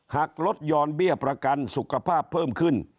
หักลดยอนเบี้ยประกันสุขภาพเพิ่มขึ้น